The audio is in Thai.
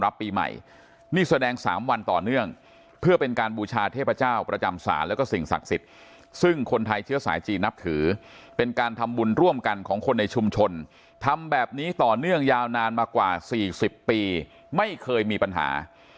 ปีใหม่นี่แสดง๓วันต่อเนื่องเพื่อเป็นการบูชาเทพเจ้าประจำศาลแล้วก็สิ่งศักดิ์สิทธิ์ซึ่งคนไทยเชื้อสายจีนนับถือเป็นการทำบุญร่วมกันของคนในชุมชนทำแบบนี้ต่อเนื่องยาวนานมากว่า๔๐ปีไม่เคยมีปัญหา